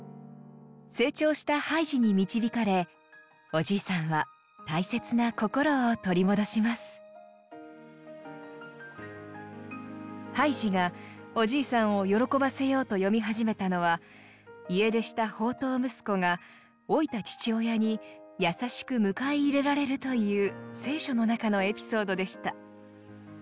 成長したハイジに導かれおじいさんはハイジがおじいさんを喜ばせようと読み始めたのは家出した放蕩息子が老いた父親に優しく迎え入れられるという聖書の中のエピソードでした。